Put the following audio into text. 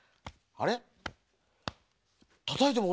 あれ？